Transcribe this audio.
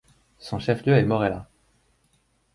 Son chef-lieu est Morella.